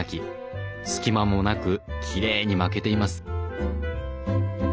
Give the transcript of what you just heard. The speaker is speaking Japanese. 隙間もなくきれいに巻けています。